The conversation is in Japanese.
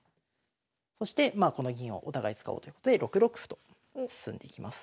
そしてまあこの銀をお互い使おうということで６六歩と進んでいきます。